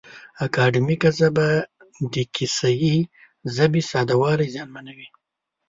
اکاډیمیکه ژبه د کیسه یي ژبې ساده والی زیانمنوي.